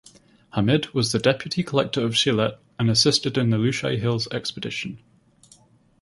Hamid was the Deputy Collector of Sylhet and assisted in the Lushai Hills expedition.